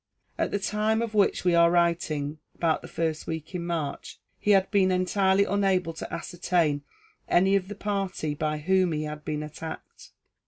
At the time of which we are writing about the first week in March he had been entirely unable to ascertain any of the party by whom he had been attacked.